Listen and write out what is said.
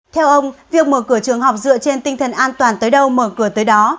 theo ông việc mở cửa trường học dựa trên tinh thần an toàn tới đâu mở cửa tới đó